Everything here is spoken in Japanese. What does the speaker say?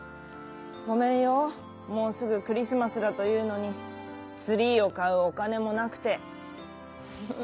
ごめんよもうすぐクリスマスだというのにツリーをかうおかねもなくて」。